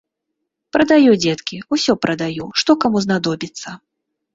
Прадаю, дзеткі, усё прадаю, што каму знадобіцца.